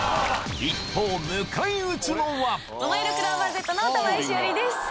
一方ももいろクローバーＺの玉井詩織です！